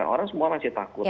orang semua masih takut